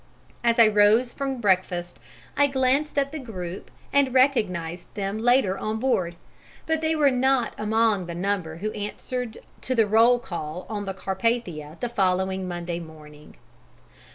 As I rose from breakfast, I glanced at the group and recognized them later on board, but they were not among the number who answered to the roll call on the Carpathia on the following Monday morning.